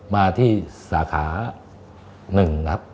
มาที่สาขาหนึ่งครับ